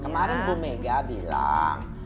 kemarin bu mega bilang